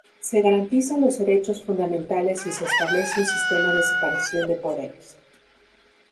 Se garantizan los derechos fundamentales y se establece un sistema de separación de poderes.